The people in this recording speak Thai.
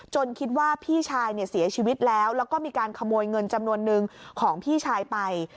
คิดว่าพี่ชายเนี่ยเสียชีวิตแล้วแล้วก็มีการขโมยเงินจำนวนนึงของพี่ชายไป